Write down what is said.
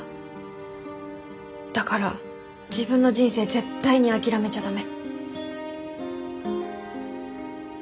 だから自分の人生絶対に諦めちゃ駄目。